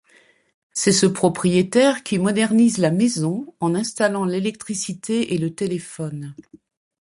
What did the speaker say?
C'est ce propriétaire qui modernise la maison, en installant l'électricité et le téléphone.